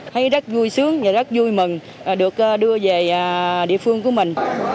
thấy rất vui sướng và rất vui mừng được đưa về địa phương của mình